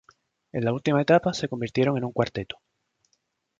En la última etapa se convirtieron en un cuarteto.